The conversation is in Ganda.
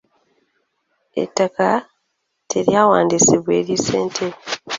Ettaka teryawandiisibwa eri ssentebe.